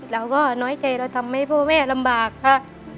เราก็น้อยใจเราทำให้พ่อแม่ลำบากค่ะ